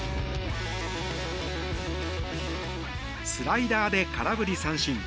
スライダーで空振り三振。